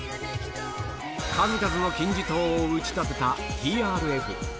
数々の金字塔を打ち立てたＴＲＦ。